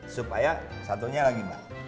supaya satunya lagi mbak